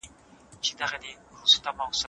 هغه د خپلې څيړني لپاره ډېر لګښت کړی دی.